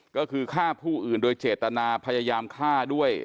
ก็คือฆ่าผู้อื่นโดยเจตนาพยายามฆ่าด้วย